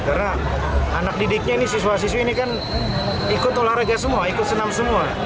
karena anak didiknya ini siswa siswi ini kan ikut olahraga semua ikut senam semua